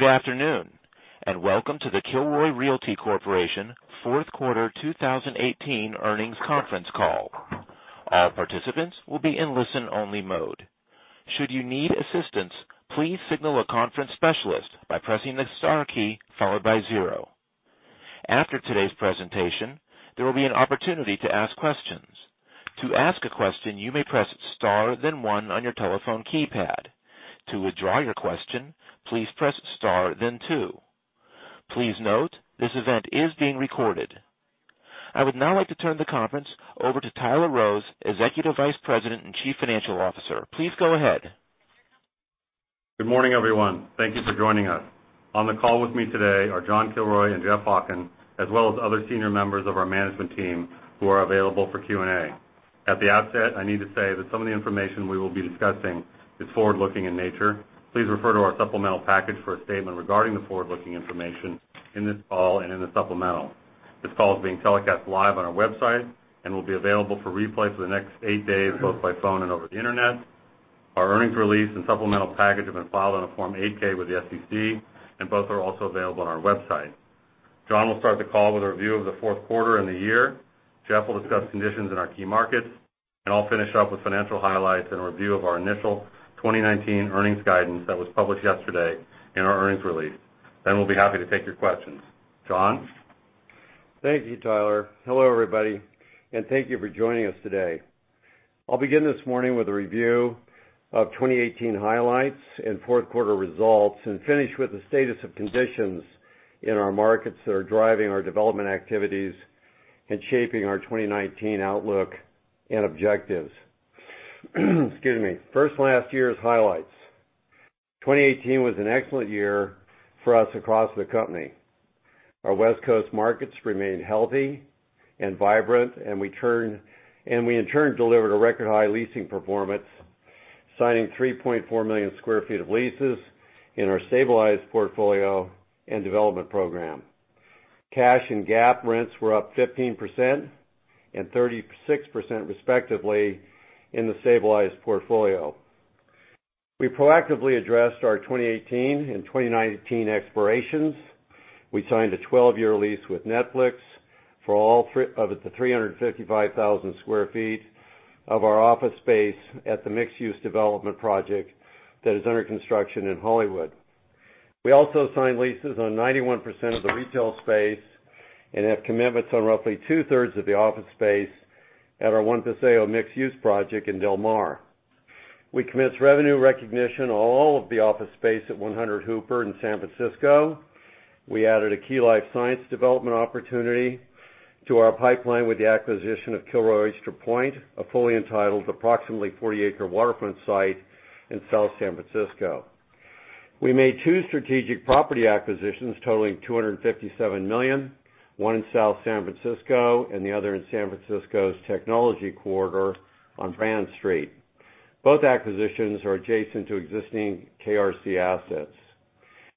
Good afternoon, and welcome to the Kilroy Realty Corporation fourth quarter 2018 earnings conference call. All participants will be in listen-only mode. Should you need assistance, please signal a conference specialist by pressing the star key followed by zero. After today's presentation, there will be an opportunity to ask questions. To ask a question, you may press star then one on your telephone keypad. To withdraw your question, please press star then two. Please note, this event is being recorded. I would now like to turn the conference over to Tyler Rose, Executive Vice President and Chief Financial Officer. Please go ahead. Good morning, everyone. Thank you for joining us. On the call with me today are John Kilroy and Jeff Hawken, as well as other senior members of our management team who are available for Q&A. At the outset, I need to say that some of the information we will be discussing is forward-looking in nature. Please refer to our supplemental package for a statement regarding the forward-looking information in this call and in the supplemental. This call is being telecast live on our website and will be available for replay for the next eight days, both by phone and over the internet. Our earnings release and supplemental package have been filed on a Form 8-K with the SEC, and both are also available on our website. John will start the call with a review of the fourth quarter and the year. Jeff will discuss conditions in our key markets, and I'll finish up with financial highlights and a review of our initial 2019 earnings guidance that was published yesterday in our earnings release. We'll be happy to take your questions. John? Thank you, Tyler. Hello, everybody, and thank you for joining us today. I'll begin this morning with a review of 2018 highlights and fourth quarter results and finish with the status of conditions in our markets that are driving our development activities and shaping our 2019 outlook and objectives. Excuse me. First, last year's highlights. 2018 was an excellent year for us across the company. Our West Coast markets remained healthy and vibrant, and we in turn delivered a record-high leasing performance, signing 3.4 million square feet of leases in our stabilized portfolio and development program. Cash and GAAP rents were up 15% and 36%, respectively, in the stabilized portfolio. We proactively addressed our 2018 and 2019 expirations. We signed a 12-year lease with Netflix for all of the 355,000 square feet of our office space at the mixed-use development project that is under construction in Hollywood. We also signed leases on 91% of the retail space and have commitments on roughly two-thirds of the office space at our One Paseo mixed-use project in Del Mar. We commenced revenue recognition on all of the office space at 100 Hooper in San Francisco. We added a key life science development opportunity to our pipeline with the acquisition of Kilroy Oyster Point, a fully entitled, approximately 40-acre waterfront site in South San Francisco. We made two strategic property acquisitions totaling $257 million, one in South San Francisco and the other in San Francisco's technology corridor on Brannan Street. Both acquisitions are adjacent to existing KRC assets.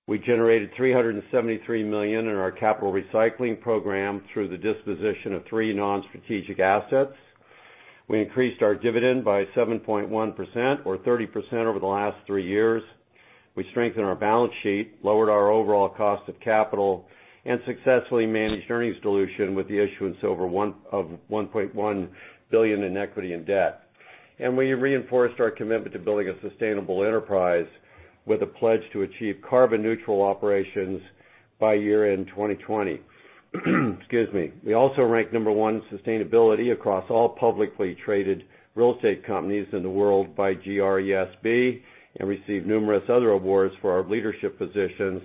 We generated $373 million in our capital recycling program through the disposition of three non-strategic assets. We increased our dividend by 7.1%, or 30% over the last three years. We strengthened our balance sheet, lowered our overall cost of capital, and successfully managed earnings dilution with the issuance of over $1.1 billion in equity and debt. We reinforced our commitment to building a sustainable enterprise with a pledge to achieve carbon-neutral operations by year-end 2020. Excuse me. We also ranked number one in sustainability across all publicly traded real estate companies in the world by GRESB and received numerous other awards for our leadership positions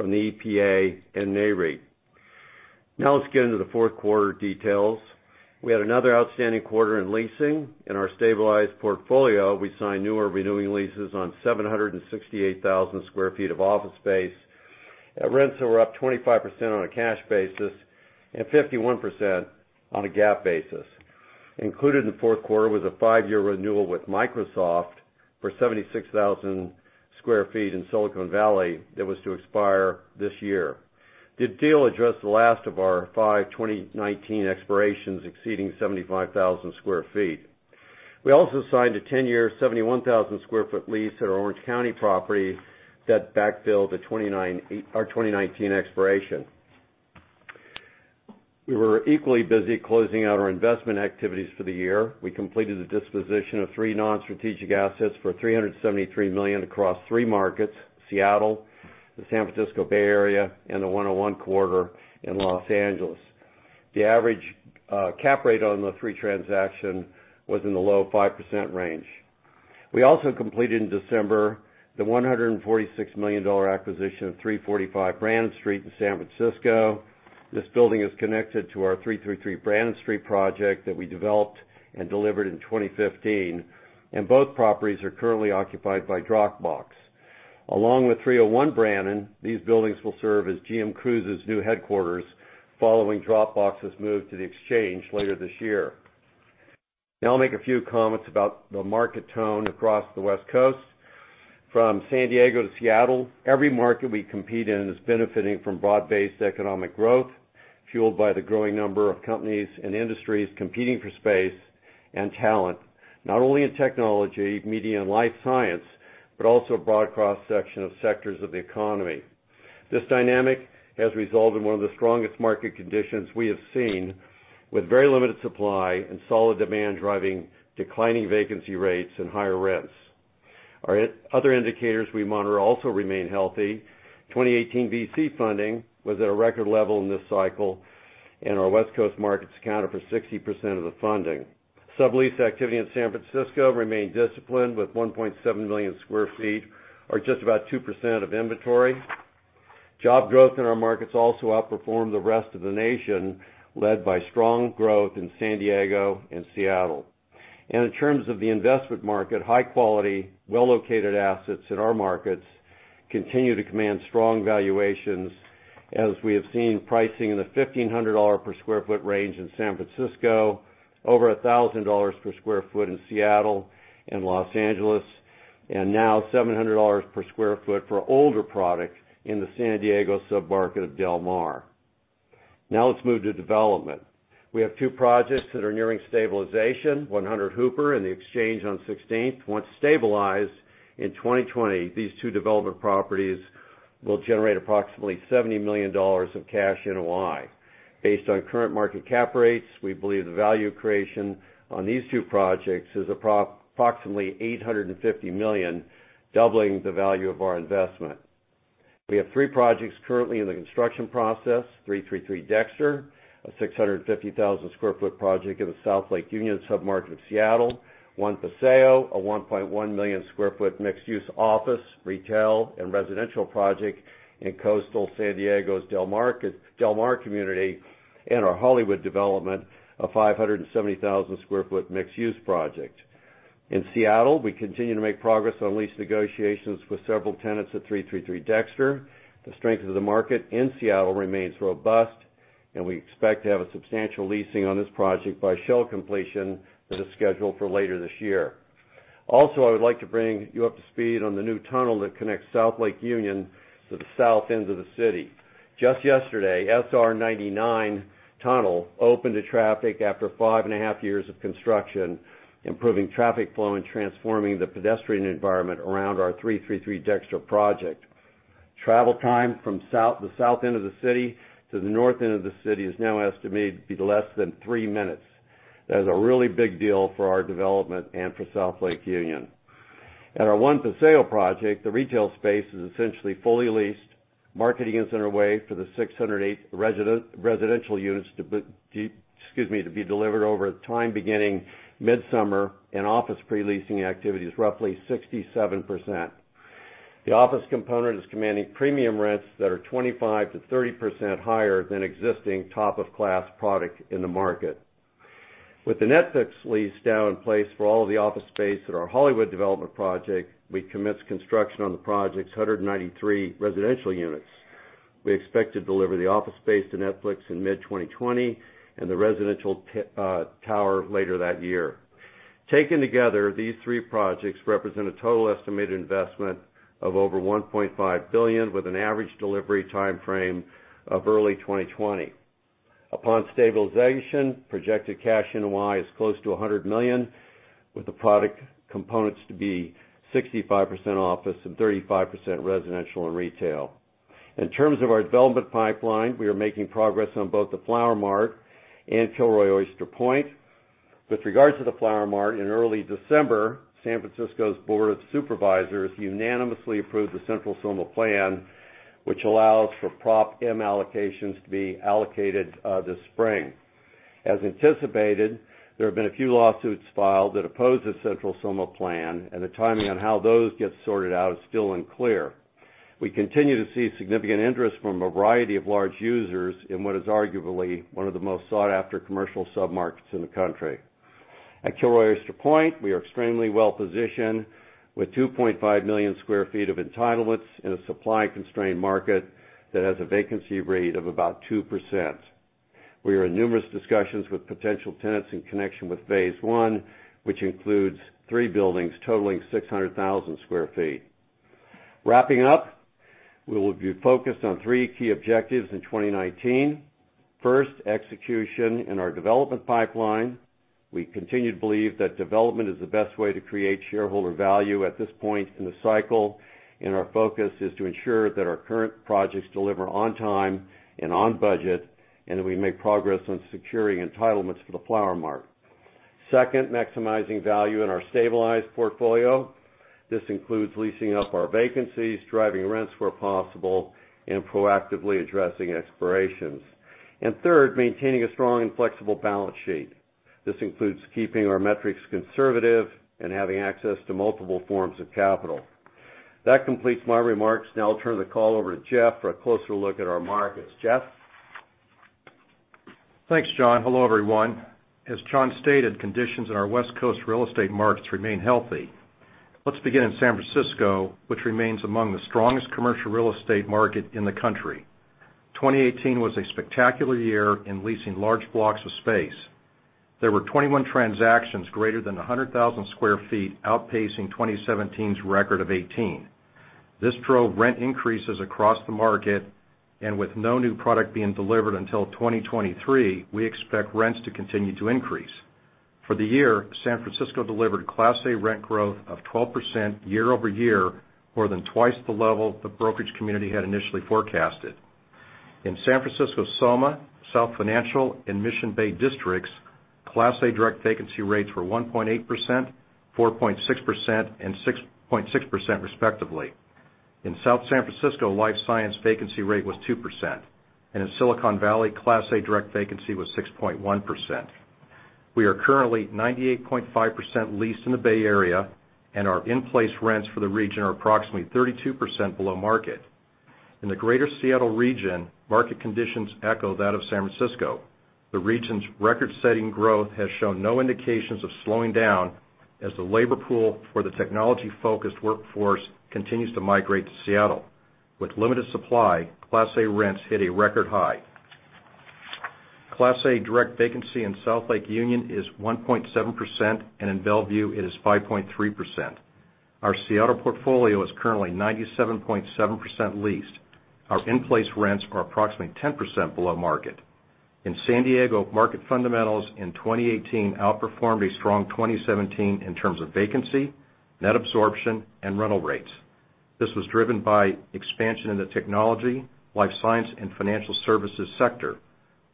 from the EPA and Nareit. Let's get into the fourth quarter details. We had another outstanding quarter in leasing. In our stabilized portfolio, we signed new or renewing leases on 768,000 square feet of office space at rents that were up 25% on a cash basis and 51% on a GAAP basis. Included in the fourth quarter was a five-year renewal with Microsoft for 76,000 square feet in Silicon Valley that was to expire this year. The deal addressed the last of our five 2019 expirations exceeding 75,000 square feet. We also signed a 10-year, 71,000-square-foot lease at our Orange County property that backfilled our 2019 expiration. We were equally busy closing out our investment activities for the year. We completed a disposition of three non-strategic assets for $373 million across three markets: Seattle, the San Francisco Bay Area, and the 101 corridor in Los Angeles. The average cap rate on the three transactions was in the low 5% range. We also completed in December the $146 million acquisition of 345 Brannan Street in San Francisco. This building is connected to our 333 Brannan Street project that we developed and delivered in 2015, and both properties are currently occupied by Dropbox. Along with 301 Brannan, these buildings will serve as GM Cruise's new headquarters following Dropbox's move to The Exchange later this year. I'll make a few comments about the market tone across the West Coast. From San Diego to Seattle, every market we compete in is benefiting from broad-based economic growth. Fueled by the growing number of companies and industries competing for space and talent, not only in technology, media, and life science, but also a broad cross-section of sectors of the economy. This dynamic has resulted in one of the strongest market conditions we have seen, with very limited supply and solid demand driving declining vacancy rates and higher rents. Our other indicators we monitor also remain healthy. 2018 VC funding was at a record level in this cycle, and our West Coast markets accounted for 60% of the funding. Sublease activity in San Francisco remained disciplined with 1.7 million square feet, or just about 2% of inventory. Job growth in our markets also outperformed the rest of the nation, led by strong growth in San Diego and Seattle. In terms of the investment market, high-quality, well-located assets in our markets continue to command strong valuations as we have seen pricing in the $1,500 per square foot range in San Francisco, over $1,000 per square foot in Seattle and Los Angeles, and now $700 per square foot for older product in the San Diego submarket of Del Mar. Now let's move to development. We have two projects that are nearing stabilization, 100 Hooper and The Exchange on 16th. Once stabilized in 2020, these two development properties will generate approximately $70 million of cash NOI. Based on current market cap rates, we believe the value creation on these two projects is approximately $850 million, doubling the value of our investment. We have three projects currently in the construction process: 333 Dexter, a 650,000 square foot project in the South Lake Union submarket of Seattle, One Paseo, a 1.1 million square foot mixed-use office, retail, and residential project in coastal San Diego's Del Mar community, and our Hollywood development, a 570,000 square foot mixed-use project. In Seattle, we continue to make progress on lease negotiations with several tenants at 333 Dexter. The strength of the market in Seattle remains robust, and we expect to have substantial leasing on this project by shell completion that is scheduled for later this year. I would like to bring you up to speed on the new tunnel that connects South Lake Union to the south end of the city. Just yesterday, SR99 tunnel opened to traffic after five and a half years of construction, improving traffic flow and transforming the pedestrian environment around our 333 Dexter project. Travel time from the south end of the city to the north end of the city is now estimated to be less than three minutes. That is a really big deal for our development and for South Lake Union. At our One Paseo project, the retail space is essentially fully leased. Marketing is underway for the 608 residential units to be delivered over time beginning midsummer, and office pre-leasing activity is roughly 67%. The office component is commanding premium rents that are 25%-30% higher than existing top-of-class product in the market. With the Netflix lease now in place for all of the office space at our Hollywood development project, we commenced construction on the project's 193 residential units. We expect to deliver the office space to Netflix in mid-2020 and the residential tower later that year. Taken together, these three projects represent a total estimated investment of over $1.5 billion, with an average delivery time frame of early 2020. Upon stabilization, projected cash NOI is close to $100 million, with the product components to be 65% office and 35% residential and retail. In terms of our development pipeline, we are making progress on both The Flower Mart and Kilroy Oyster Point. With regards to The Flower Mart, in early December, San Francisco's Board of Supervisors unanimously approved the Central SoMa Plan, which allows for Prop M allocations to be allocated this spring. As anticipated, there have been a few lawsuits filed that oppose the Central SoMa Plan. The timing on how those get sorted out is still unclear. We continue to see significant interest from a variety of large users in what is arguably one of the most sought-after commercial submarkets in the country. At Kilroy Oyster Point, we are extremely well-positioned with 2.5 million square feet of entitlements in a supply-constrained market that has a vacancy rate of about 2%. We are in numerous discussions with potential tenants in connection with phase one, which includes three buildings totaling 600,000 square feet. Wrapping up, we will be focused on three key objectives in 2019. First, execution in our development pipeline. We continue to believe that development is the best way to create shareholder value at this point in the cycle. Our focus is to ensure that our current projects deliver on time and on budget, and that we make progress on securing entitlements for The Flower Mart. Second, maximizing value in our stabilized portfolio. This includes leasing up our vacancies, driving rents where possible, and proactively addressing expirations. Third, maintaining a strong and flexible balance sheet. This includes keeping our metrics conservative and having access to multiple forms of capital. That completes my remarks. Now I'll turn the call over to Jeff for a closer look at our markets. Jeff? Thanks, John. Hello, everyone. As John stated, conditions in our West Coast real estate markets remain healthy. Let's begin in San Francisco, which remains among the strongest commercial real estate market in the country. 2018 was a spectacular year in leasing large blocks of space. There were 21 transactions greater than 100,000 square feet, outpacing 2017's record of 18. This drove rent increases across the market. With no new product being delivered until 2023, we expect rents to continue to increase. For the year, San Francisco delivered Class A rent growth of 12% year-over-year, more than twice the level the brokerage community had initially forecasted. In San Francisco, SoMa, South Financial, and Mission Bay districts, Class A direct vacancy rates were 1.8%, 4.6%, and 6.6% respectively. In South San Francisco, life science vacancy rate was 2%, and in Silicon Valley, Class A direct vacancy was 6.1%. We are currently 98.5% leased in the Bay Area. Our in-place rents for the region are approximately 32% below market. In the greater Seattle region, market conditions echo that of San Francisco. The region's record-setting growth has shown no indications of slowing down as the labor pool for the technology-focused workforce continues to migrate to Seattle. With limited supply, Class A rents hit a record high. Class A direct vacancy in South Lake Union is 1.7%, and in Bellevue, it is 5.3%. Our Seattle portfolio is currently 97.7% leased. Our in-place rents are approximately 10% below market. In San Diego, market fundamentals in 2018 outperformed a strong 2017 in terms of vacancy, net absorption, and rental rates. This was driven by expansion in the technology, life science, and financial services sector.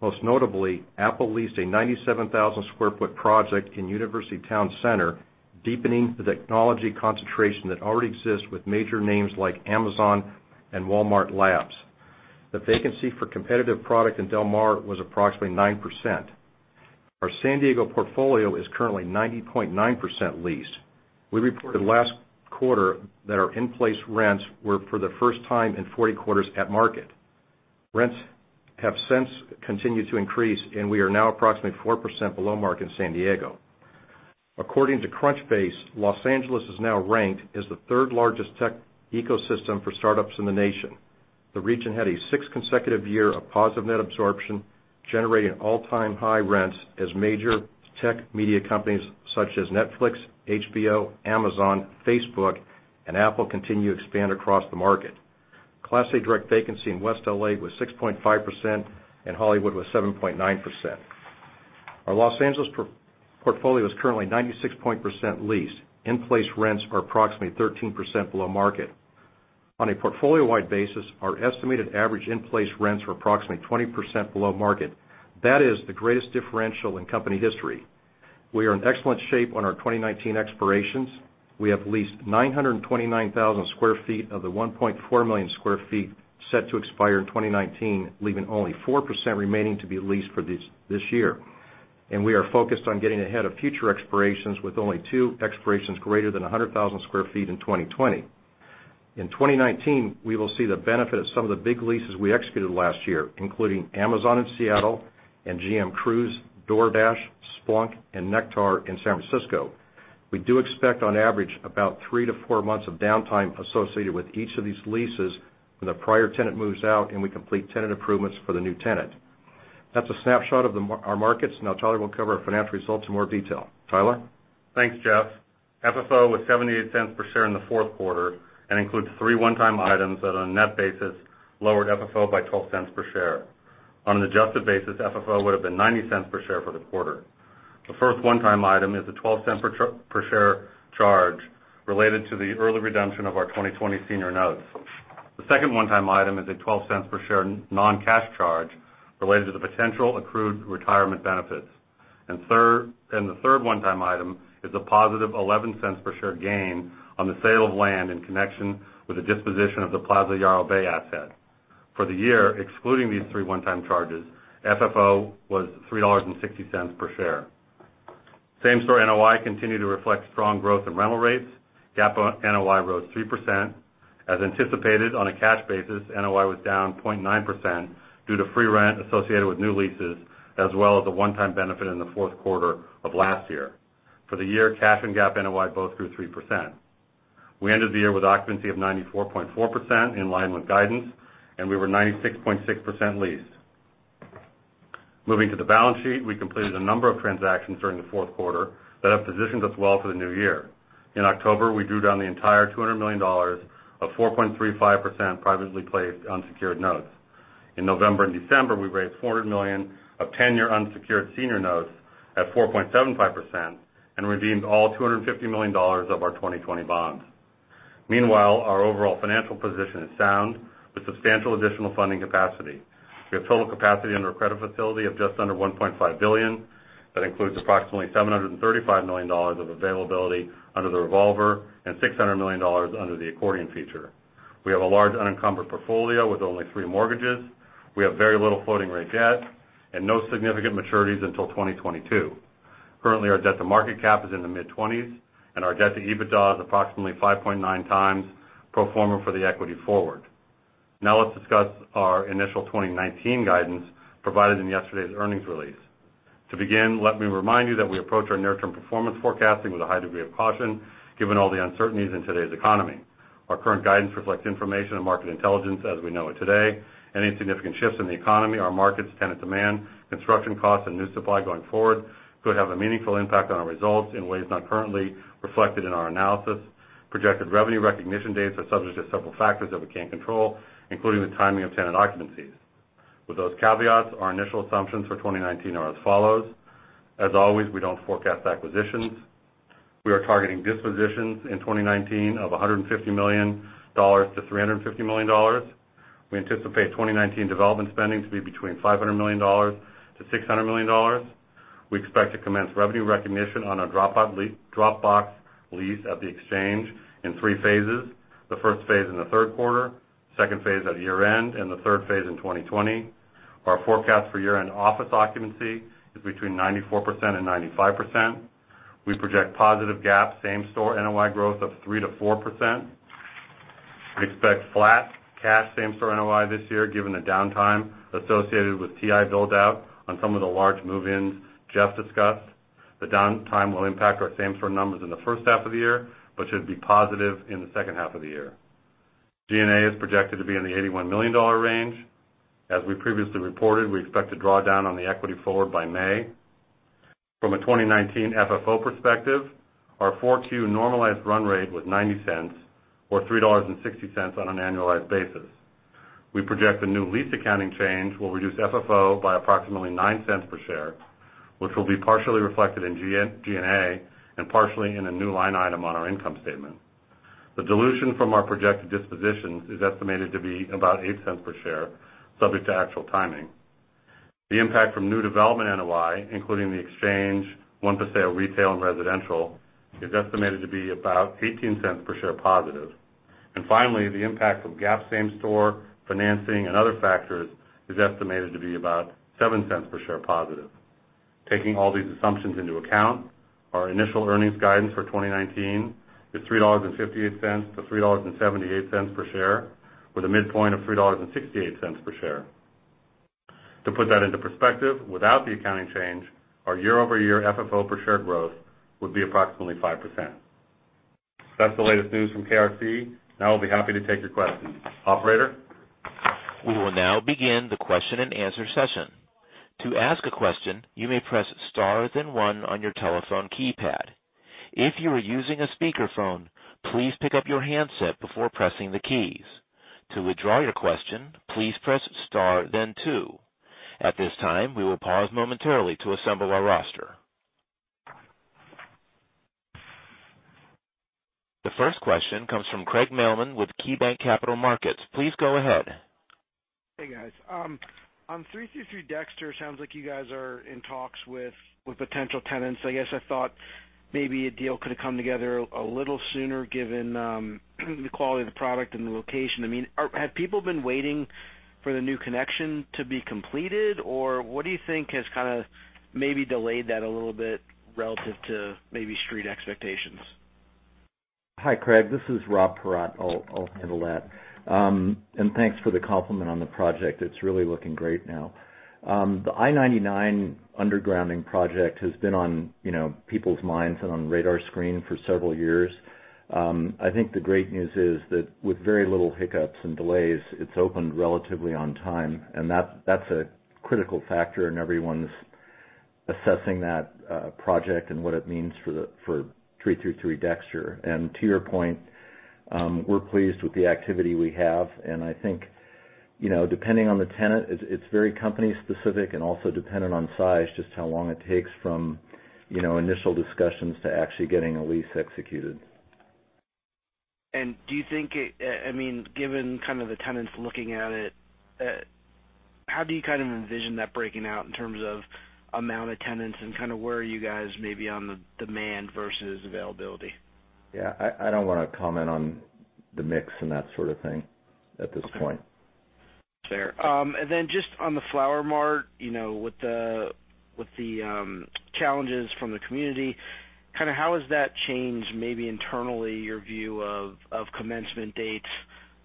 Most notably, Apple leased a 97,000 square foot project in University Town Center, deepening the technology concentration that already exists with major names like Amazon and Walmart Labs. The vacancy for competitive product in Del Mar was approximately 9%. Our San Diego portfolio is currently 90.9% leased. We reported last quarter that our in-place rents were for the first time in 40 quarters at market. Rents have since continued to increase, and we are now approximately 4% below market in San Diego. According to Crunchbase, Los Angeles is now ranked as the third-largest tech ecosystem for startups in the nation. The region had a six-consecutive year of positive net absorption, generating all-time high rents as major tech media companies such as Netflix, HBO, Amazon, Facebook, and Apple continue to expand across the market. Class A direct vacancy in West L.A. was 6.5%, and Hollywood was 7.9%. Our Los Angeles portfolio is currently 96% leased. In-place rents are approximately 13% below market. On a portfolio-wide basis, our estimated average in-place rents were approximately 20% below market. That is the greatest differential in company history. We are in excellent shape on our 2019 expirations. We have leased 929,000 square feet of the 1.4 million square feet set to expire in 2019, leaving only 4% remaining to be leased for this year. We are focused on getting ahead of future expirations with only two expirations greater than 100,000 square feet in 2020. In 2019, we will see the benefit of some of the big leases we executed last year, including Amazon in Seattle and GM Cruise, DoorDash, Splunk, and Nektar in San Francisco. We do expect, on average, about three to four months of downtime associated with each of these leases when the prior tenant moves out, and we complete tenant improvements for the new tenant. That's a snapshot of our markets. Now Tyler will cover our financial results in more detail. Tyler? Thanks, Jeff. FFO was $0.78 per share in the fourth quarter and includes three one-time items that on a net basis lowered FFO by $0.12 per share. On an adjusted basis, FFO would have been $0.90 per share for the quarter. The first one-time item is a $0.12 per share charge related to the early redemption of our 2020 senior notes. The second one-time item is a $0.12 per share non-cash charge related to the potential accrued retirement benefits. The third one-time item is a positive $0.11 per share gain on the sale of land in connection with the disposition of the Plaza Yarrow Bay asset. For the year, excluding these three one-time charges, FFO was $3.60 per share. Same story, NOI continued to reflect strong growth in rental rates. GAAP NOI rose 3%. As anticipated on a cash basis, NOI was down 0.9% due to free rent associated with new leases, as well as the one-time benefit in the fourth quarter of last year. For the year, cash and GAAP NOI both grew 3%. We ended the year with occupancy of 94.4%, in line with guidance, and we were 96.6% leased. Moving to the balance sheet, we completed a number of transactions during the fourth quarter that have positioned us well for the new year. In October, we drew down the entire $200 million of 4.35% privately placed unsecured notes. In November and December, we raised $400 million of 10-year unsecured senior notes at 4.75% and redeemed all $250 million of our 2020 bonds. Meanwhile, our overall financial position is sound with substantial additional funding capacity. We have total capacity under a credit facility of just under $1.5 billion. That includes approximately $735 million of availability under the revolver and $600 million under the accordion feature. We have a large unencumbered portfolio with only three mortgages. We have very little floating rate debt and no significant maturities until 2022. Currently, our debt-to-market cap is in the mid-20s, and our debt-to-EBITDA is approximately 5.9 times pro forma for the equity forward. Let's discuss our initial 2019 guidance provided in yesterday's earnings release. To begin, let me remind you that we approach our near-term performance forecasting with a high degree of caution, given all the uncertainties in today's economy. Our current guidance reflects information and market intelligence as we know it today. Any significant shifts in the economy or markets, tenant demand, construction costs, and new supply going forward could have a meaningful impact on our results in ways not currently reflected in our analysis. Projected revenue recognition dates are subject to several factors that we can't control, including the timing of tenant occupancies. With those caveats, our initial assumptions for 2019 are as follows. Always, we don't forecast acquisitions. We are targeting dispositions in 2019 of $150 million-$350 million. We anticipate 2019 development spending to be between $500 million-$600 million. We expect to commence revenue recognition on our Dropbox lease at The Exchange in three phases, the first phase in the third quarter, second phase at year-end, and the third phase in 2020. Our forecast for year-end office occupancy is between 94%-95%. We project positive GAAP same-store NOI growth of 3%-4%. We expect flat cash same-store NOI this year, given the downtime associated with TI build-out on some of the large move-ins Jeff discussed. The downtime will impact our same-store numbers in the first half of the year, but should be positive in the second half of the year. G&A is projected to be in the $81 million range. We previously reported, we expect to draw down on the equity forward by May. From a 2019 FFO perspective, our 4Q normalized run rate was $0.90, or $3.60 on an annualized basis. We project the new lease accounting change will reduce FFO by approximately $0.09 per share, which will be partially reflected in G&A and partially in a new line item on our income statement. The dilution from our projected dispositions is estimated to be about $0.08 per share, subject to actual timing. The impact from new development NOI, including The Exchange, One Paseo retail and residential, is estimated to be about $0.18 per share positive. Finally, the impact from GAAP same-store financing and other factors is estimated to be about $0.07 per share positive. Taking all these assumptions into account, our initial earnings guidance for 2019 is $3.58 to $3.78 per share, with a midpoint of $3.68 per share. To put that into perspective, without the accounting change, our year-over-year FFO per share growth would be approximately 5%. That's the latest news from KRC. We'll be happy to take your questions. Operator? We will now begin the question and answer session. To ask a question, you may press star then one on your telephone keypad. If you are using a speakerphone, please pick up your handset before pressing the keys. To withdraw your question, please press star then two. At this time, we will pause momentarily to assemble our roster. The first question comes from Craig Mailman with KeyBanc Capital Markets. Please go ahead. Hey, guys. On 333 Dexter, sounds like you guys are in talks with potential tenants. I guess I thought maybe a deal could have come together a little sooner given the quality of the product and the location. Have people been waiting for the new connection to be completed, or what do you think has maybe delayed that a little bit relative to maybe street expectations? Hi, Craig. This is Rob Paratte. I'll handle that. Thanks for the compliment on the project. It's really looking great now. The SR99 undergrounding project has been on people's minds and on radar screen for several years. I think the great news is that with very little hiccups and delays, it's opened relatively on time, and that's a critical factor in everyone's assessing that project and what it means for 333 Dexter. To your point, we're pleased with the activity we have, and I think, depending on the tenant, it's very company specific and also dependent on size, just how long it takes from initial discussions to actually getting a lease executed. Do you think, given the tenants looking at it, how do you envision that breaking out in terms of amount of tenants and where are you guys maybe on the demand versus availability? Yeah, I don't want to comment on the mix and that sort of thing at this point. Okay. Fair. Just on the Flower Mart, with the challenges from the community, how has that changed maybe internally your view of commencement dates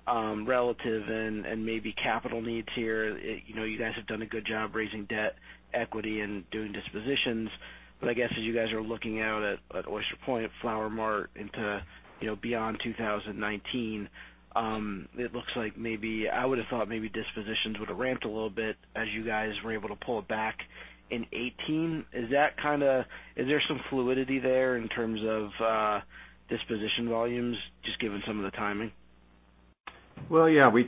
relative and maybe capital needs here? You guys have done a good job raising debt equity and doing dispositions. I guess as you guys are looking out at Oyster Point, Flower Mart into beyond 2019, it looks like maybe, I would've thought maybe dispositions would have ramped a little bit as you guys were able to pull it back in 2018. Is there some fluidity there in terms of disposition volumes, just given some of the timing? Well, yeah. This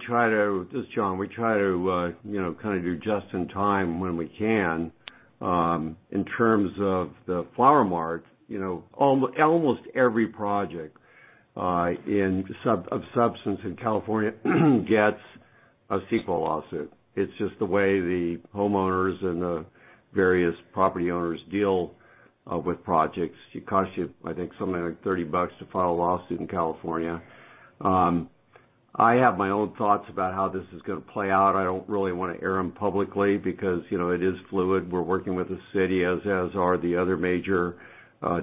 is John. We try to do just in time when we can. In terms of the Flower Mart, almost every project of substance in California gets a CEQA lawsuit. It's just the way the homeowners and the various property owners deal with projects. It costs you, I think, something like $30 to file a lawsuit in California. I have my own thoughts about how this is going to play out. I don't really want to air them publicly because it is fluid. We're working with the city, as are the other major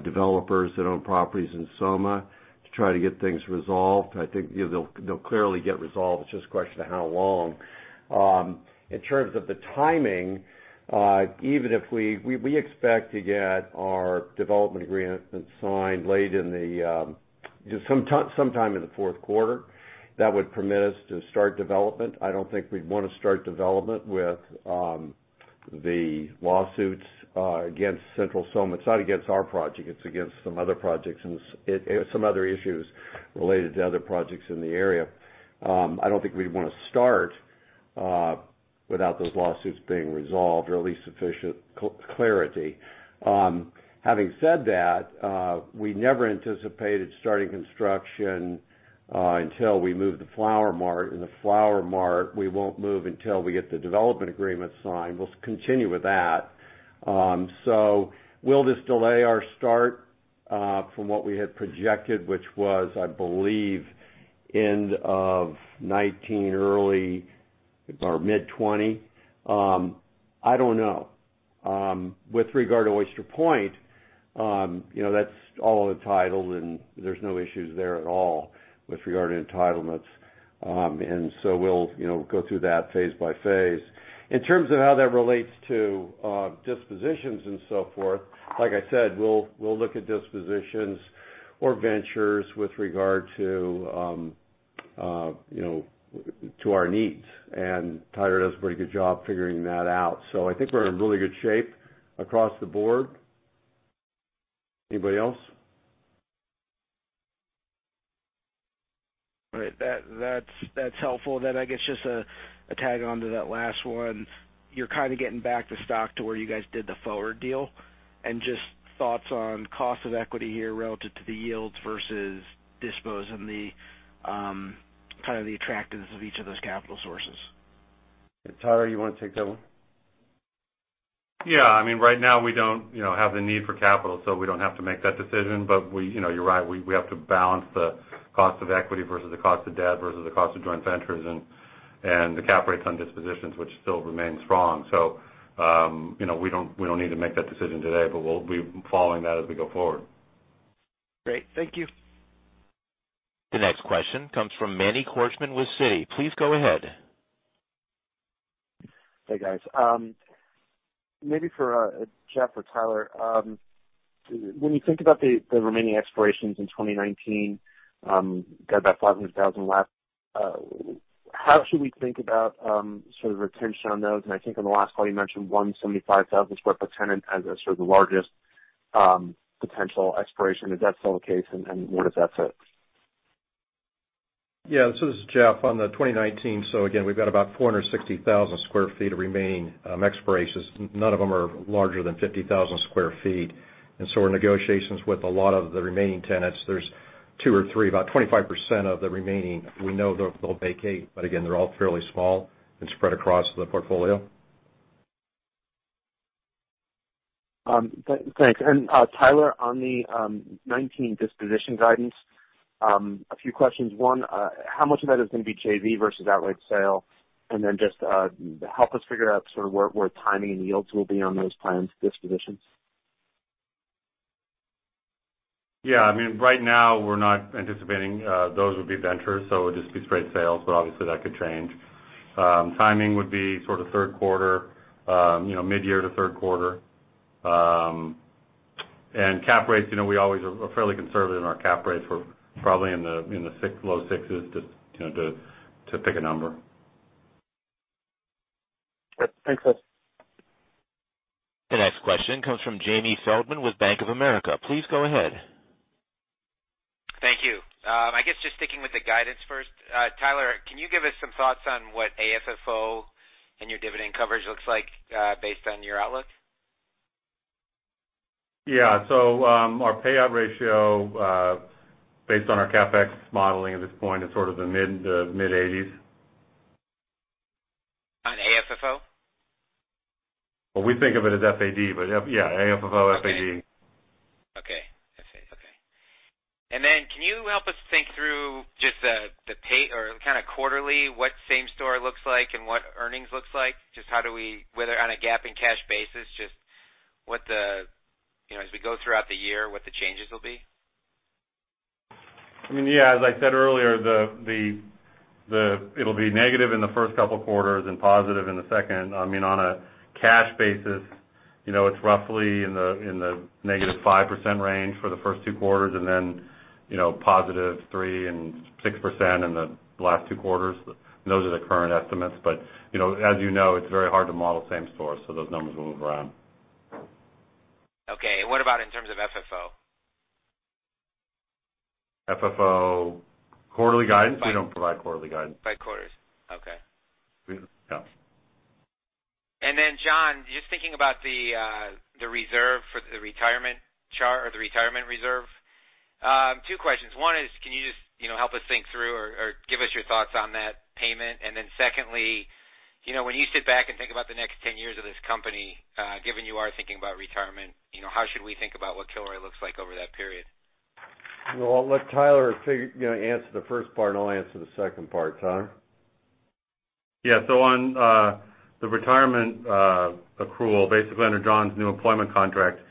developers that own properties in SoMa, to try to get things resolved. I think they'll clearly get resolved. It's just a question of how long. In terms of the timing, we expect to get our development agreement signed sometime in the fourth quarter. That would permit us to start development. I don't think we'd want to start development. The lawsuits, against Central SoMa. It's not against our project, it's against some other projects, and some other issues related to other projects in the area. I don't think we'd want to start without those lawsuits being resolved, or at least sufficient clarity. Having said that, we never anticipated starting construction until we move the Flower Mart. The Flower Mart, we won't move until we get the development agreement signed. We'll continue with that. Will this delay our start, from what we had projected, which was, I believe, end of 2019, early or mid 2020? I don't know. With regard to Oyster Point, that's all entitled and there's no issues there at all with regard to entitlements. We'll go through that phase by phase. In terms of how that relates to dispositions and so forth, like I said, we'll look at dispositions or ventures with regard to our needs. Tyler does a pretty good job figuring that out. I think we're in really good shape across the board. Anybody else? All right. That's helpful. I guess just a tag-on to that last one. You're kind of getting back the stock to where you guys did the forward equity deal. Just thoughts on cost of equity here relative to the yields versus dispos and the attractiveness of each of those capital sources. Tyler, you want to take that one? Yeah. Right now we don't have the need for capital, so we don't have to make that decision. You're right, we have to balance the cost of equity versus the cost of debt versus the cost of joint ventures, and the cap rates on dispositions, which still remain strong. We don't need to make that decision today, but we'll be following that as we go forward. Great. Thank you. The next question comes from Manny Korchman with Citi. Please go ahead. Hey, guys. Maybe for Jeff or Tyler. When you think about the remaining expirations in 2019, got about 500,000 left. How should we think about sort of retention on those? I think on the last call, you mentioned one 75,000 square foot per tenant as sort of the largest potential expiration. Is that still the case, and where does that sit? Yeah. This is Jeff. On the 2019, again, we've got about 460,000 square feet of remaining expirations. None of them are larger than 50,000 square feet. We're in negotiations with a lot of the remaining tenants. There's two or three, about 25% of the remaining, we know they'll vacate. Again, they're all fairly small and spread across the portfolio. Thanks. Tyler, on the 2019 disposition guidance, a few questions. One, how much of that is going to be JV versus outright sale? Just help us figure out sort of where timing and yields will be on those planned dispositions. Yeah, right now we're not anticipating those would be ventures, it would just be straight sales. Obviously, that could change. Timing would be sort of third quarter, mid-year to third quarter. Cap rates, we always are fairly conservative in our cap rates. We're probably in the low sixes, just to pick a number. Yep. Thanks. The next question comes from Jamie Feldman with Bank of America. Please go ahead. Thank you. I guess just sticking with the guidance first. Tyler, can you give us some thoughts on what AFFO and your dividend coverage looks like, based on your outlook? Our payout ratio, based on our CapEx modeling at this point is sort of the mid-80s. On AFFO? We think of it as FAD, but yeah, AFFO, FAD. Okay. FAD. Okay. Can you help us think through just the pay or kind of quarterly, what same store looks like and what earnings looks like? Just how do we, whether on a GAAP and cash basis, just as we go throughout the year, what the changes will be? As I said earlier, it'll be negative in the first couple of quarters and positive in the second. On a cash basis, it's roughly in the -5% range for the first two quarters and then positive +3% and +6% in the last two quarters. Those are the current estimates. As you know, it's very hard to model same store, so those numbers will move around. Okay. What about in terms of FFO? FFO quarterly guidance? We don't provide quarterly guidance. By quarters. Okay. Yeah. John, just thinking about the reserve for the retirement reserve. Two questions. One is, can you just help us think through or give us your thoughts on that payment? Secondly, when you sit back and think about the next 10 years of this company, given you are thinking about retirement, how should we think about what Kilroy looks like over that period? Well, I'll let Tyler answer the first part, and I'll answer the second part. Tyler? Yeah. On the retirement accrual, basically under John's new employment contract,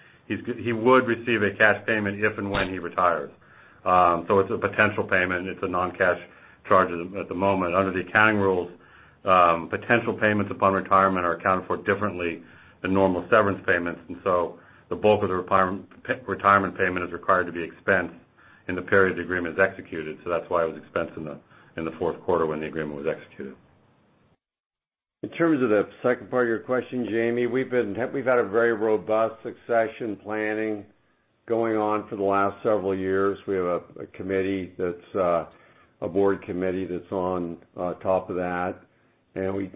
he would receive a cash payment if and when he retires. It's a potential payment. It's a non-cash charge at the moment. Under the accounting rules, potential payments upon retirement are accounted for differently than normal severance payments. The bulk of the retirement payment is required to be expensed. In the period the agreement is executed, that's why it was expensed in the fourth quarter when the agreement was executed. In terms of the second part of your question, Jamie, we've had a very robust succession planning going on for the last several years. We have a board committee that's on top of that, and we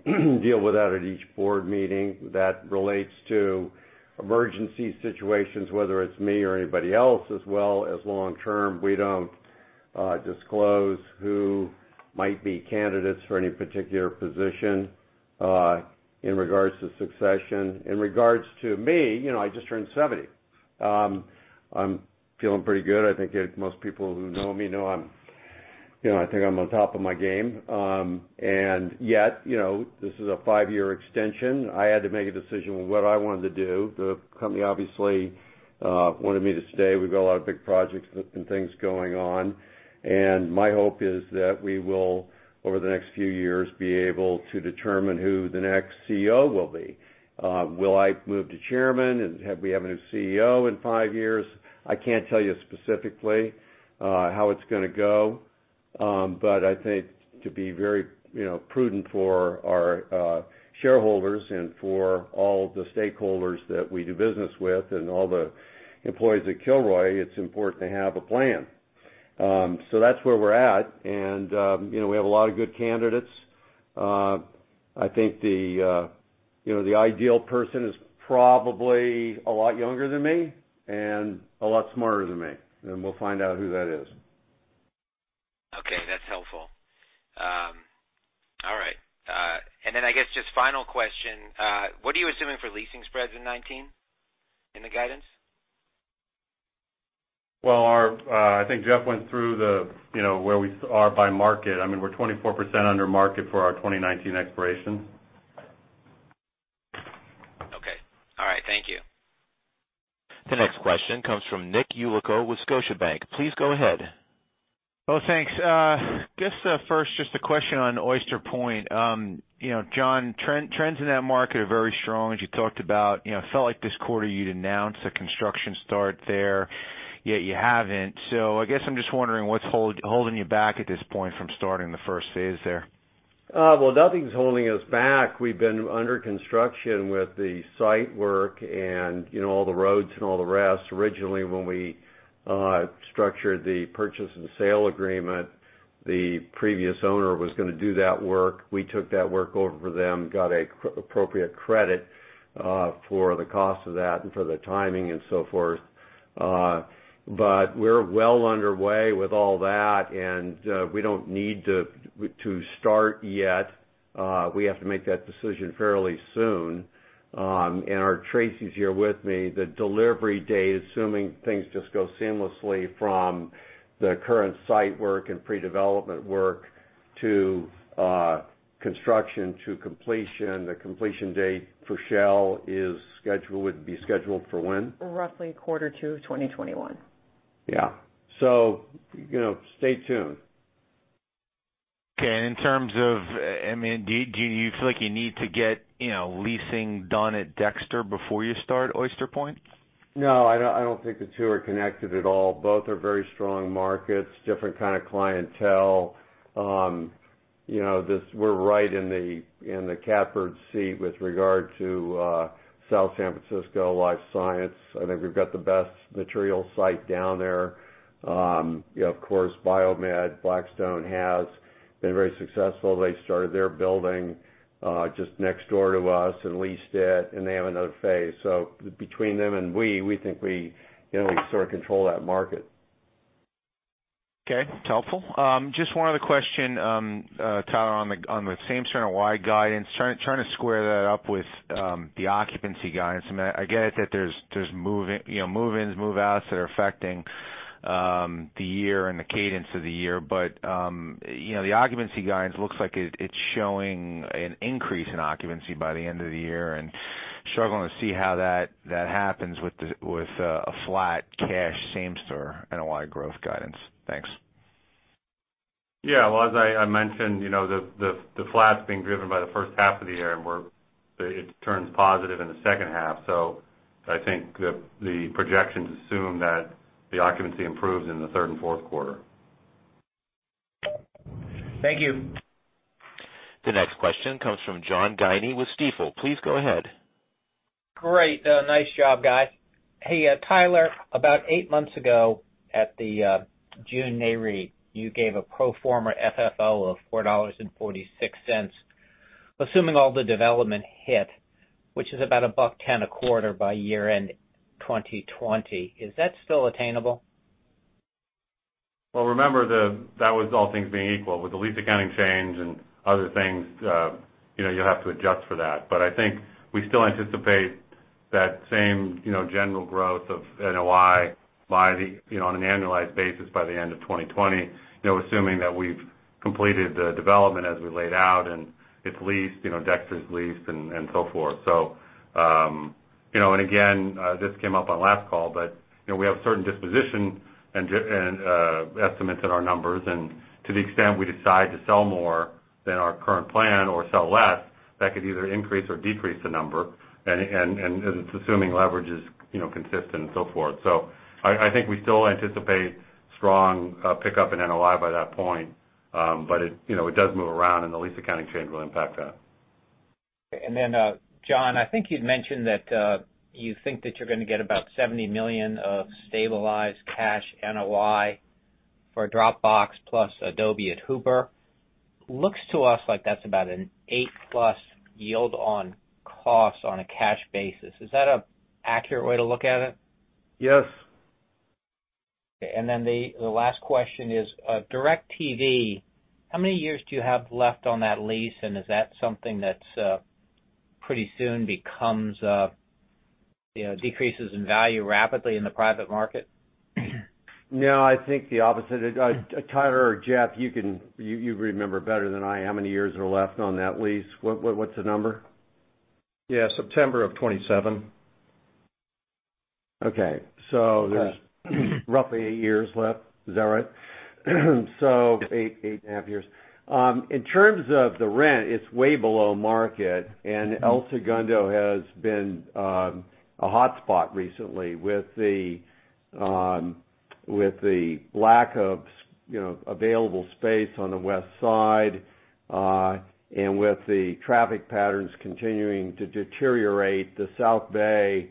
deal with that at each board meeting. That relates to emergency situations, whether it's me or anybody else, as well as long-term. We don't disclose who might be candidates for any particular position in regards to succession. In regards to me, I just turned 70. I'm feeling pretty good. I think most people who know me know I think I'm on top of my game. Yet, this is a 5-year extension. I had to make a decision on what I wanted to do. The company obviously wanted me to stay. We've got a lot of big projects and things going on. My hope is that we will, over the next few years, be able to determine who the next CEO will be. Will I move to Chairman and have we have a new CEO in 5 years? I can't tell you specifically how it's going to go. I think to be very prudent for our shareholders and for all the stakeholders that we do business with and all the employees at Kilroy, it's important to have a plan. That's where we're at, and we have a lot of good candidates. I think the ideal person is probably a lot younger than me and a lot smarter than me, and we'll find out who that is. Okay, that's helpful. All right. I guess, just final question, what are you assuming for leasing spreads in 2019 in the guidance? Well, I think Jeff went through where we are by market. We're 24% under market for our 2019 expirations. Okay. All right. Thank you. The next question comes from Nicholas Yulico with Scotiabank. Please go ahead. Oh, thanks. Guess first, just a question on Oyster Point. John, trends in that market are very strong, as you talked about. It felt like this quarter you'd announce a construction start there, yet you haven't. I guess I'm just wondering what's holding you back at this point from starting the first phase there? Well, nothing's holding us back. We've been under construction with the site work and all the roads and all the rest. Originally, when we structured the purchase and sale agreement, the previous owner was going to do that work. We took that work over for them, got appropriate credit for the cost of that and for the timing and so forth. We're well underway with all that, and we don't need to start yet. We have to make that decision fairly soon. Tracy's here with me. The delivery date, assuming things just go seamlessly from the current site work and pre-development work to construction to completion, the completion date for Shell would be scheduled for when? Roughly quarter two of 2021. Yeah. Stay tuned. Okay. In terms of [M&D], do you feel like you need to get leasing done at Dexter before you start Oyster Point? No. I don't think the two are connected at all. Both are very strong markets, different kind of clientele. We're right in the catbird seat with regard to South San Francisco life science. I think we've got the best material site down there. Of course, BioMed, Blackstone has been very successful. They started their building just next door to us and leased it, and they have another phase. Between them and we think we sort of control that market. Okay. It's helpful. Just one other question, Tyler, on the same store NOI guidance, trying to square that up with the occupancy guidance. I get it that there's move-ins, move-outs that are affecting the year and the cadence of the year. The occupancy guidance looks like it's showing an increase in occupancy by the end of the year and struggling to see how that happens with a flat cash same store NOI growth guidance. Thanks. Yeah. As I mentioned, the flat's being driven by the first half of the year. It turns positive in the second half. I think the projections assume that the occupancy improves in the third and fourth quarter. Thank you. The next question comes from John Guinee with Stifel. Please go ahead. Great. Nice job, guys. Hey, Tyler, about eight months ago at the June Nareit, you gave a pro forma FFO of $4.46. Assuming all the development hit, which is about $1.10 a quarter by year-end 2020, is that still attainable? Remember, that was all things being equal. With the lease accounting change and other things, you'll have to adjust for that. I think we still anticipate that same general growth of NOI on an annualized basis by the end of 2020, assuming that we've completed the development as we laid out and it's leased, Dexter's leased, and so forth. Again, this came up on last call, but we have certain disposition estimates in our numbers. To the extent we decide to sell more than our current plan or sell less, that could either increase or decrease the number. It's assuming leverage is consistent and so forth. I think we still anticipate strong pickup in NOI by that point. It does move around, and the lease accounting change will impact that. John, I think you'd mentioned that you think that you're going to get about $70 million of stabilized cash NOI for Dropbox plus Adobe at Hooper. Looks to us like that's about an 8-plus yield on cost on a cash basis. Is that an accurate way to look at it? Yes. The last question is, DirecTV, how many years do you have left on that lease? Is that something that pretty soon decreases in value rapidly in the private market? No, I think the opposite. Tyler or Jeff, you remember better than I how many years are left on that lease. What's the number? September of 2027. Okay. There's roughly eight years left. Is that right? Eight and a half years. In terms of the rent, it's way below market, and El Segundo has been a hotspot recently with the lack of available space on the west side, and with the traffic patterns continuing to deteriorate. The South Bay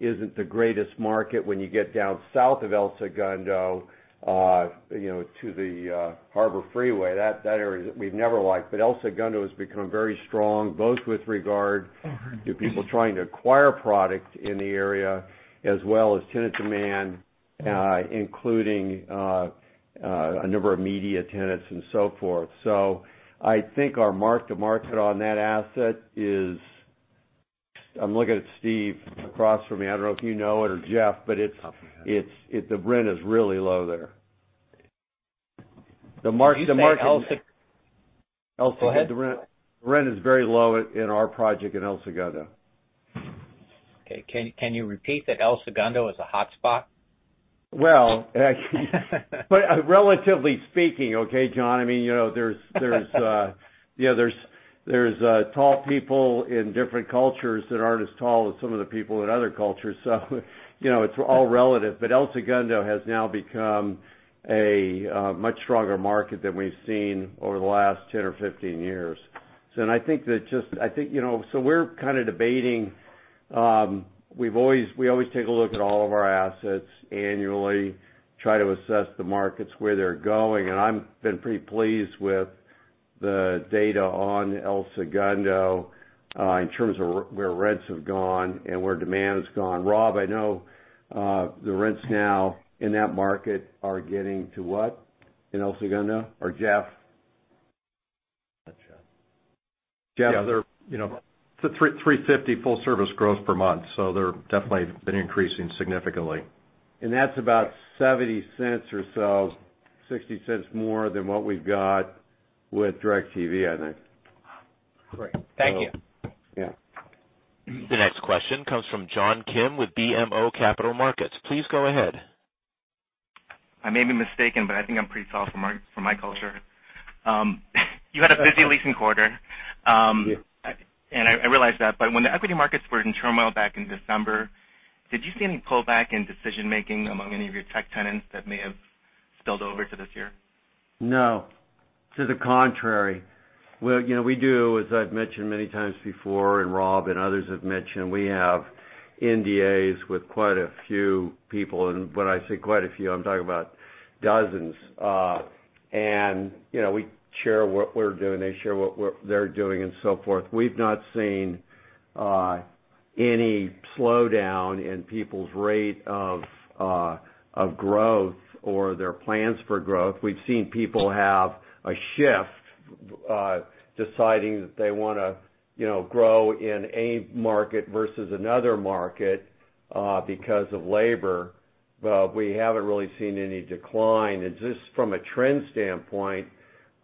isn't the greatest market when you get down south of El Segundo to the Harbor Freeway. That area, we've never liked. El Segundo has become very strong, both with regard to people trying to acquire product in the area, as well as tenant demand, including a number of media tenants and so forth. I think our mark-to-market on that asset is I'm looking at Steve across from me. I don't know if you know it or Jeff, the rent is really low there. The mark-to-market- El Se- El Segundo, the rent is very low in our project in El Segundo. Okay. Can you repeat that El Segundo is a hotspot? Relatively speaking, okay, John? There's tall people in different cultures that aren't as tall as some of the people in other cultures, so it's all relative. El Segundo has now become a much stronger market than we've seen over the last 10 or 15 years. We're kind of debating. We always take a look at all of our assets annually, try to assess the markets, where they're going, and I've been pretty pleased with the data on El Segundo in terms of where rents have gone and where demand has gone. Rob, I know the rents now in that market are getting to what in El Segundo? Or Jeff? Yeah. They're $3.50 full-service gross per month, they're definitely been increasing significantly. That's about $0.70 or so, $0.60 more than what we've got with DirecTV, I think. Great. Thank you. Yeah. The next question comes from John Kim with BMO Capital Markets. Please go ahead. I may be mistaken, but I think I'm pretty tall for my culture. You had a busy leasing quarter. Yeah. I realize that, but when the equity markets were in turmoil back in December, did you see any pullback in decision-making among any of your tech tenants that may have spilled over to this year? No. To the contrary. We do, as I've mentioned many times before, and Rob and others have mentioned, we have NDAs with quite a few people. When I say quite a few, I'm talking about dozens. We share what we're doing, they share what they're doing, and so forth. We've not seen any slowdown in people's rate of growth or their plans for growth. We've seen people have a shift, deciding that they want to grow in a market versus another market because of labor. We haven't really seen any decline. Just from a trend standpoint,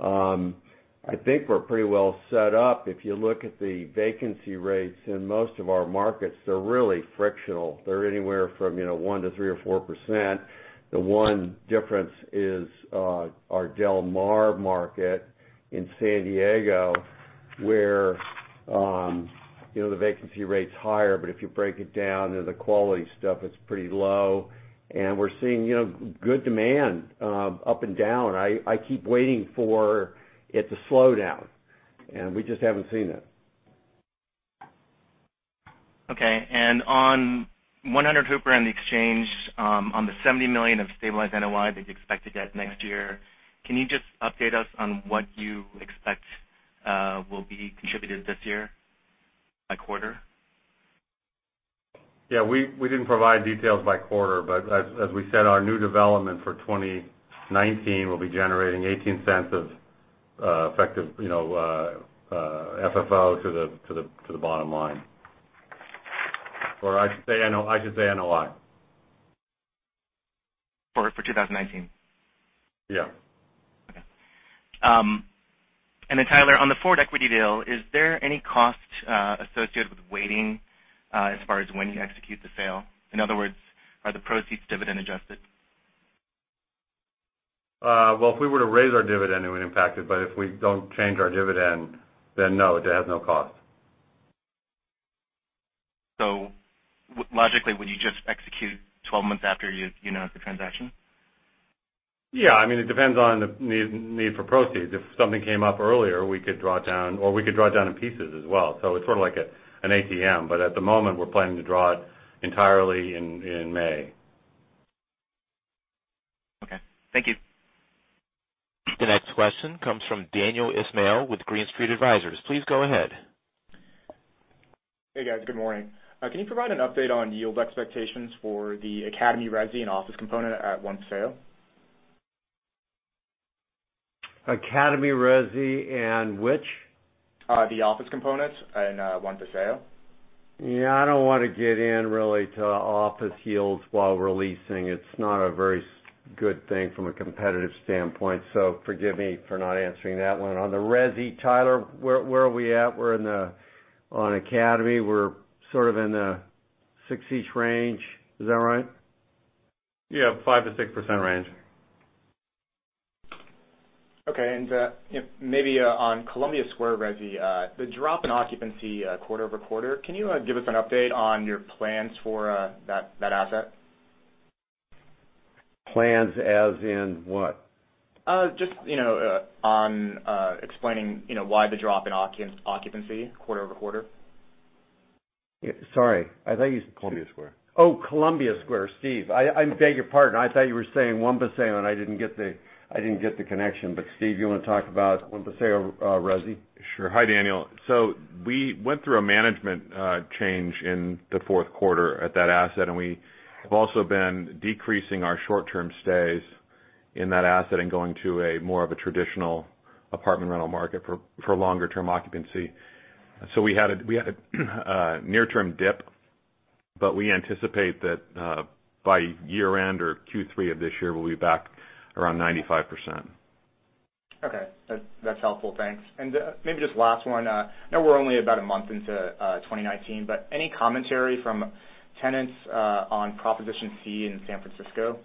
I think we're pretty well set up. If you look at the vacancy rates in most of our markets, they're really frictional. They're anywhere from 1% to 3% or 4%. The one difference is our Del Mar market in San Diego, where the vacancy rate's higher, but if you break it down into the quality stuff, it's pretty low. We're seeing good demand up and down. I keep waiting for it to slow down, and we just haven't seen it. Okay. On 100 Hooper and The Exchange, on the $70 million of stabilized NOI that you expect to get next year, can you just update us on what you expect will be contributed this year by quarter? Yeah. We didn't provide details by quarter, as we said, our new development for 2019 will be generating $0.18 of effective FFO to the bottom line. I should say NOI. For 2019? Yeah. Okay. Tyler, on the forward equity deal, is there any cost associated with waiting as far as when you execute the sale? In other words, are the proceeds dividend adjusted? Well, if we were to raise our dividend, it would impact it, if we don't change our dividend, no, it has no cost. Logically, would you just execute 12 months after you announce the transaction? Yeah. It depends on the need for proceeds. If something came up earlier, we could draw down, or we could draw down in pieces as well. It's sort of like an ATM. At the moment, we're planning to draw it entirely in May. Okay. Thank you. The next question comes from Daniel Ismail with Green Street Advisors. Please go ahead. Hey, guys. Good morning. Can you provide an update on yield expectations for the Academy resi and office component at One Paseo? Academy resi and which? The office components in One Paseo. Yeah. I don't want to get in really to office yields while we're leasing. It's not a very good thing from a competitive standpoint, forgive me for not answering that one. On the resi, Tyler, where are we at? We're in the, on Academy, we're sort of in the six-ish range. Is that right? Yeah. 5%-6% range. Okay. Maybe on Columbia Square resi, the drop in occupancy quarter-over-quarter, can you give us an update on your plans for that asset? Plans as in what? Just, on explaining why the drop in occupancy quarter-over-quarter. Sorry. Columbia Square. Columbia Square. Steve. I beg your pardon. I thought you were saying One Paseo, and I didn't get the connection. Steve, you want to talk about One Paseo resi? Sure. Hi, Daniel. We went through a management change in the fourth quarter at that asset, and we have also been decreasing our short-term stays in that asset and going to a more of a traditional apartment rental market for longer-term occupancy. We had a near-term dip, but we anticipate that by year-end or Q3 of this year, we'll be back around 95%. Okay. That's helpful. Thanks. Maybe just last one. I know we're only about a month into 2019, but any commentary from tenants on Proposition C in San Francisco?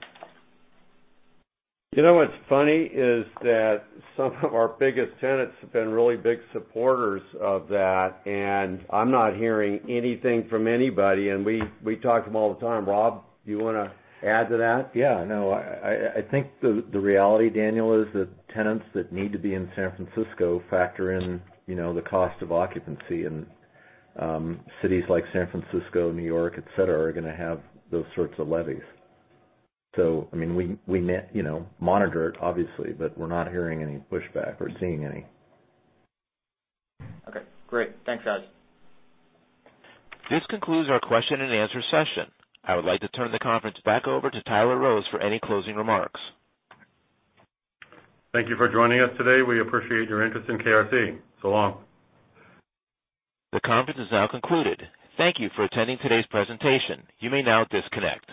You know what's funny is that some of our biggest tenants have been really big supporters of that, and I'm not hearing anything from anybody, and we talk to them all the time. Rob, do you want to add to that? Yeah, no. I think the reality, Daniel, is that tenants that need to be in San Francisco factor in the cost of occupancy, and cities like San Francisco, New York, et cetera, are going to have those sorts of levies. We monitor it obviously, but we're not hearing any pushback or seeing any. Okay, great. Thanks, guys. This concludes our question and answer session. I would like to turn the conference back over to Tyler Rose for any closing remarks. Thank you for joining us today. We appreciate your interest in KRC. So long. The conference is now concluded. Thank you for attending today's presentation. You may now disconnect.